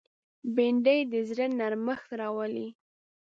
بېنډۍ د زړه نرمښت راولي